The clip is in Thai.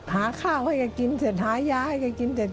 หาข้าวให้แกกินเสร็จหายาให้แกกินเสร็จ